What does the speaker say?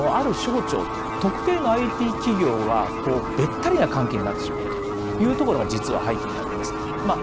ある省庁と特定のＩＴ企業が、べったりな関係になってしまうというところが実は背景にあるんです。